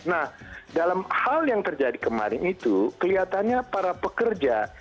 nah dalam hal yang terjadi kemarin itu kelihatannya para pekerja